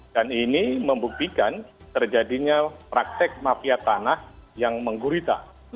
dan ini membuktikan terjadinya praktek mafia tanah yang menggurita